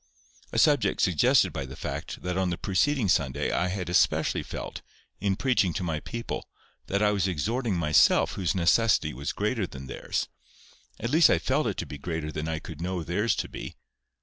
a subject suggested by the fact that on the preceding Sunday I had especially felt, in preaching to my people, that I was exhorting myself whose necessity was greater than theirs—at least I felt it to be greater than I could know theirs to be.